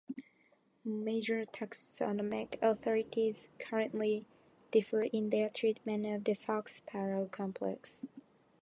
Major taxonomic authorities currently differ in their treatment of the fox sparrow complex.